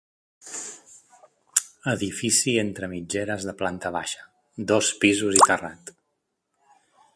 Edifici entre mitgeres de planta baixa, dos pisos i terrat.